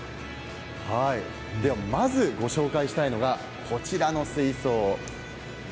まずご紹介したいのがこちらの水槽。